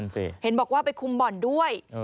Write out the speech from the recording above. เห็นบอกว่าไปคุมบ่อนด้วย